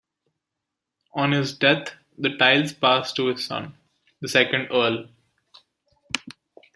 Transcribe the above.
On his death the titles passed to his son, the second Earl.